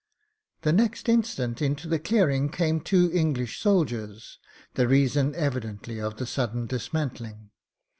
"The next instant into the clearing came two Eng lish soldiers, the reason evidently of the sudden dis mantling.